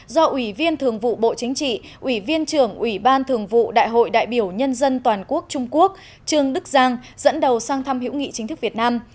do ủy viên thường vụ bộ chính trị ủy viên trưởng ủy ban thường vụ đại hội đại biểu nhân dân toàn quốc trung quốc trương đức giang dẫn đầu sang thăm hữu nghị chính thức việt nam